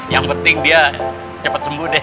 yang penting dia cepat sembuh deh